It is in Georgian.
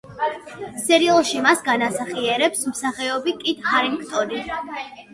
სერიალში მას განასახიერებს მსახიობი კიტ ჰარინგტონი.